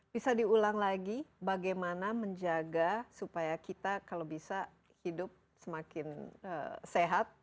bisa diulang lagi bagaimana menjaga supaya kita kalau bisa hidup semakin sehat